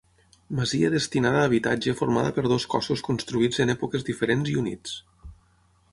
Masia destinada a habitatge formada per dos cossos construïts en èpoques diferents i units.